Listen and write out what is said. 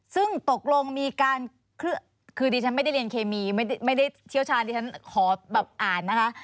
ซึ่งตกลงมีการคือดิฉันไม่ได้เรียนเคมีไม่ได้เชี่ยวชาญดิฉันขอแบบอ่านนะคะ